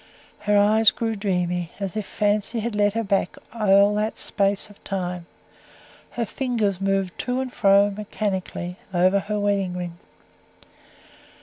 Her eyes grew dreamy, as if fancy had led her back all that space of time; her fingers moved to and fro, mechanically, over her wedding ring.